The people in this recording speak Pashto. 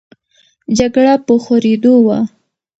جګړه په خورېدو وه.